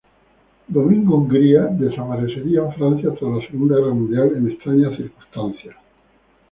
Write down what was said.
Domingo Ungría desaparecería en Francia tras la Segunda Guerra Mundial, en extrañas circunstancias.